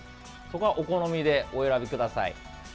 そこは、お好みでお選びください。